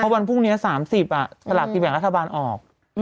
เพราะวันพรุ่งนี้๓๐ตลาดพี่แบ่งรัฐบาลออก